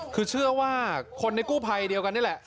คือเชื่อว่าคนในกู้ภัยเดียวกันนี่แหละ